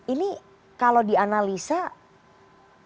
ini kalau dianalisa kenapa kemudian berani keluar dari pilpres